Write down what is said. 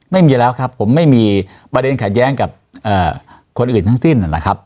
ไม่มีแล้วครับผมไม่มีประเด็นขัดแย้งกับคนอื่นทั้งสิ้นนะครับ